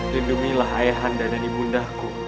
lindumilah ayah anda dan ibu undaku